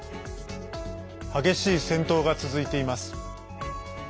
激しい戦闘が続いています。